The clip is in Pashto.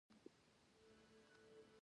د زابل په دایچوپان کې د فلورایټ نښې شته.